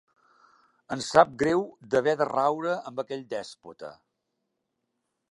Em sap greu d'haver de raure amb aquell dèspota.